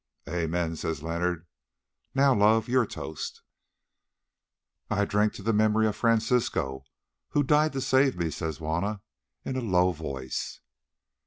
"Amen," says Leonard. "Now, love, your toast." "I drink to the memory of Francisco who died to save me," says Juanna in a low voice.